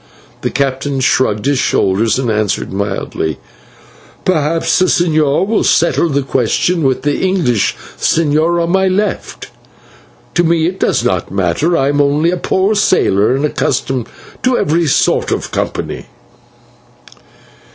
The captain shrugged his shoulders and answered mildly: "Perhaps the señor will settle the question with the English señor on my left. To me it does not matter; I am only a poor sailor, and accustomed to every sort of company."